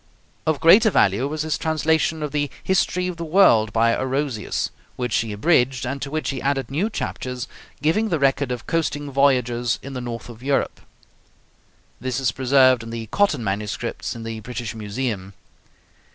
Of greater value was his translation of the 'History of the World,' by Orosius, which he abridged, and to which he added new chapters giving the record of coasting voyages in the north of Europe. This is preserved in the Cotton MSS. in the British Museum.